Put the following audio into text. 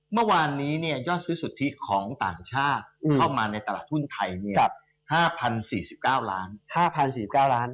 เมื่อวานนี้ยอดซื้อสุทธิของต่างชาติเข้ามาในตลาดหุ้นไทย๕๐๔๙๕๐๔๙ล้าน